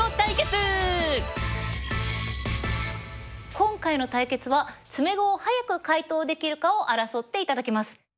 今回の対決は詰碁を早く解答できるかを争って頂きます。